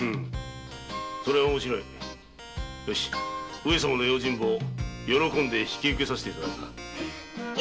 上様の用心棒喜んで引き受けさせて頂く。